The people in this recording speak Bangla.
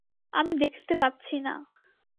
আমি দেখতে পাচ্ছি না।